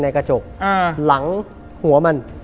กระจกหลังหัวมัน